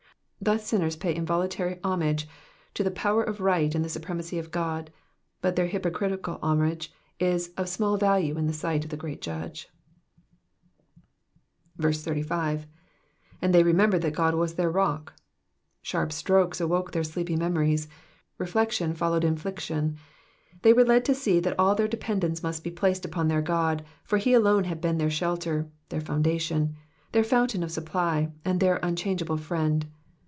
Thus sinners pay involuntary homage to the power of right and the supremacy of God, but their hypocritical homage is of small value in the sight of the Great Judge. 85. ^'And they remembered that God iras their roek,'^^ Sharp strokes awoke their sleepy memories. Reflection followed infliction. They were led to sec that all their dependence must be placed upon their God ; for he alone had been their shelter, their foundation, their fountain of supply, and their unchangeable friend.